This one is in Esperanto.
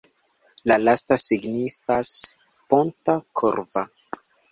La lasta signifas ponta-korva.